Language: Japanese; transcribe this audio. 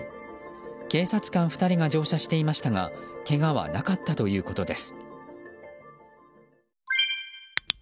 警察官２人が乗車していましたがけがはなかったということです。